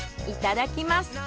いただきます。